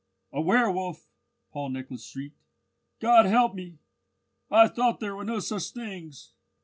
"A werwolf!" Paul Nicholas shrieked. "God help me! I thought there were no such things!"